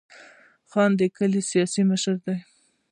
خان د کلي سیاسي مشر وي.